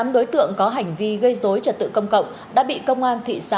một mươi tám đối tượng có hành vi gây dối trật tự công cộng đã bị công an thị xã hà lam